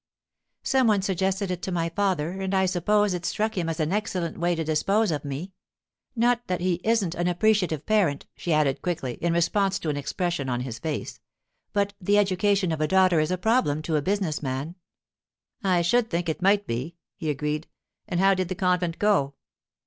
'Some one suggested it to my father, and I suppose it struck him as an excellent way to dispose of me. Not that he isn't an appreciative parent,' she added quickly, in response to an expression on his face; 'but the education of a daughter is a problem to a business man.' 'I should think it might be,' he agreed. 'And how did the convent go?